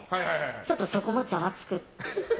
ちょっとそこもざわつくっていう。